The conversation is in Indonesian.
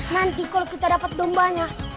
nanti kalau kita dapat dombanya